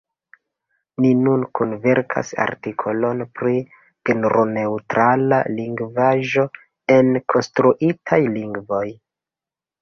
Ni nun kunverkas artikolon pri genroneŭtrala lingvaĵo en konstruitaj lingvoj.